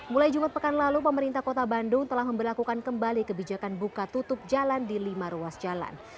mulai jumat pekan lalu pemerintah kota bandung telah memperlakukan kembali kebijakan buka tutup jalan di lima ruas jalan